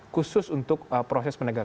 khusus untuk proses penegakan